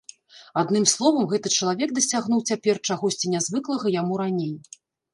Адным словам, гэты чалавек дасягнуў цяпер чагосьці нязвыклага яму раней.